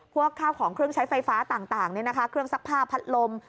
พวกข้าวของเครื่องใช้ไฟฟ้าต่างเครื่องซักผ้าพัดลม